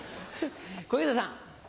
小遊三さん。